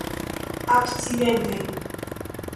akcidente